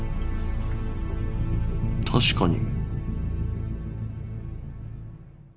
確かに。